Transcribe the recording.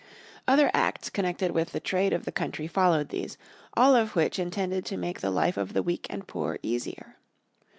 Other Acts connected with the trade of the country followed these, all of which intended to make the life of the weak and poor easier.